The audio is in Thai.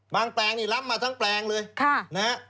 บางแปลงนี้ล้ำมาทั้งแปลงเลย